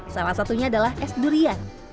salah satunya adalah es durian